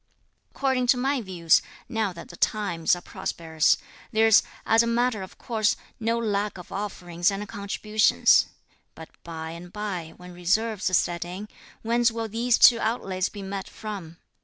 According to my views, now that the times are prosperous, there's, as a matter of course, no lack of offerings and contributions; but by and bye, when reverses set in, whence will these two outlays be met from?